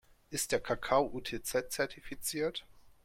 Ist der Kakao UTZ-zertifiziert?